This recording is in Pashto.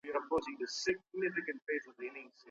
دولتي پوهنتون بې دلیله نه تړل کیږي.